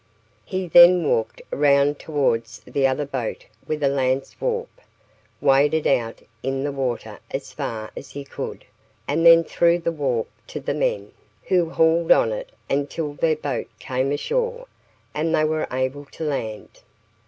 He then walked round towards the other boat with a lance warp, waded out in the water as far as he could, and then threw the warp to the men, who hauled on it until their boat came ashore, and they were able to land.